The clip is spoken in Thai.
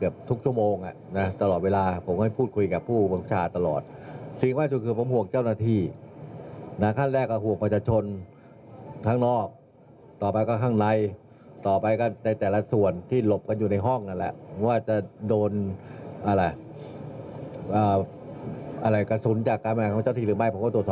ก็ปิดดีมากแล้วแหละ